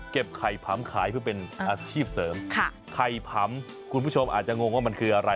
ไข่ผำขายเพื่อเป็นอาชีพเสริมค่ะไข่ผำคุณผู้ชมอาจจะงงว่ามันคืออะไร